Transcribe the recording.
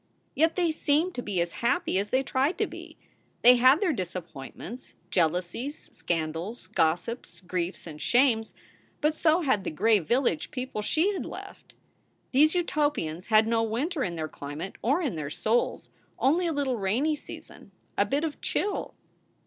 Yet they seemed to be as happy as they tried to be. They had their disappointments, jealousies, scandals, gossips, griefs, and shames, but so had the gray village people she had left. These Utopians had no winter in their climate or in their souls only a little rainy season, a bit of chill.